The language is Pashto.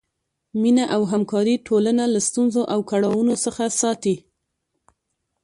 مینه او همکاري ټولنه له ستونزو او کړاوونو څخه ساتي.